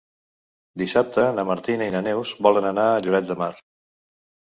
Dissabte na Martina i na Neus volen anar a Lloret de Mar.